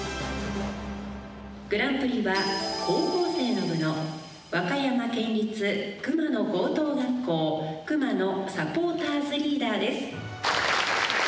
「グランプリは高校生の部の和歌山県立熊野高等学校Ｋｕｍａｎｏサポーターズリーダーです」。